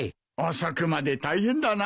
遅くまで大変だな。